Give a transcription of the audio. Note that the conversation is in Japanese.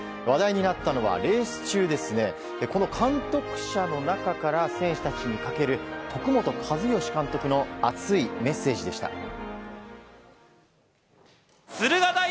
話題になったのはレース中に監督車の中から選手たちにかける徳本一善監督の熱いメッセージでした。